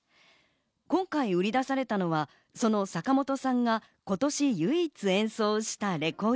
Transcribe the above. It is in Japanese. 今回売り出されたのはその坂本さんが今年、唯一演奏したレコーデ